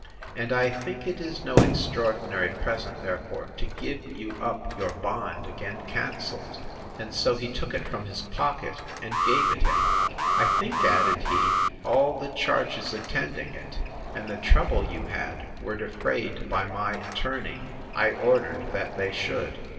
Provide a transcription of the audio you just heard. And I think it is no extraordinary present, therefore, to give you up your bond again cancelled. And so he took it from his pocket, and gave it him. I think, added he, all the charges attending it, and the trouble you had, were defrayed by my attorney; I ordered that they should.